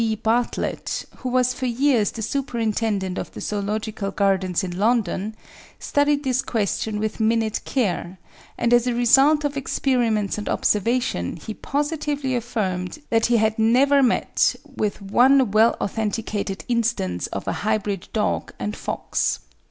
D. Bartlett, who was for years the superintendent of the Zoological Gardens in London, studied this question with minute care, and as a result of experiments and observations he positively affirmed that he had never met with one well authenticated instance of a hybrid dog and fox.